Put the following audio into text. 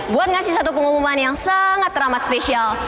buat ngasih satu pengumuman yang sangat teramat spesial